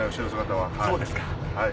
はい。